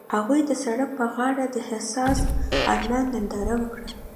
هغوی د سړک پر غاړه د حساس آرمان ننداره وکړه.